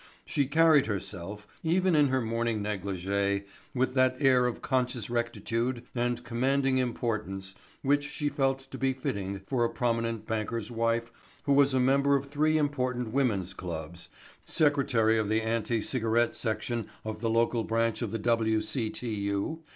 She carried herself, even in her morning negligee, with that air of conscious rectitude and commanding importance which she felt to be fitting for a prominent banker's wife who was a member of three important women's clubs, secretary of the anti cigarette section of the local branch of the W. C. T. U.